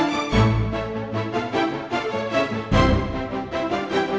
rasanya gue gak mau pukul